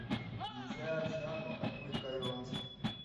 Bwiza yaje hano avuye i Kayonza .